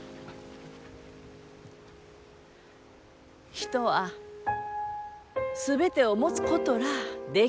人は全てを持つことらあできん。